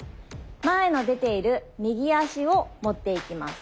前の出ている右足をもっていきます。